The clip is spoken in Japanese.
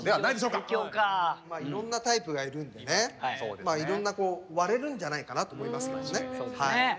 いろんなタイプがいるんでねいろんな割れるんじゃないかなと思いますけどね。